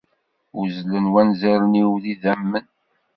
Uzzlen wanzaren-iw d idammen